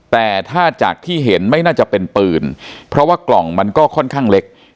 แต่ถ้าจากที่เห็นไม่น่าจะเป็นปืนเพราะว่ากล่องมันก็ค่อนข้างเล็ก